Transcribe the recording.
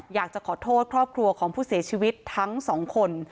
อยากจะขอโทษครอบครัวของผู้เสียชีวิตทั้งสองคน